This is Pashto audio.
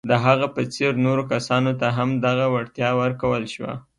د هغه په څېر نورو کسانو ته هم دغه وړتیا ورکول شوه.